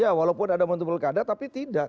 ya walaupun ada momentum pilkada tapi tidak